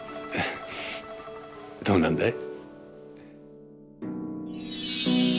どうなんだい？